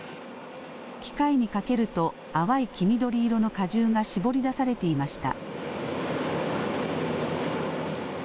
機械にかけると淡い黄緑色の果汁が搾り出されていました。